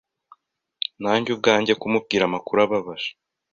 Nanjye ubwanjye kumubwira amakuru ababaje.